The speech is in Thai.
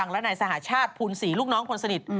และในสหชาติภูมิสี่ลูกน้องคนสนิท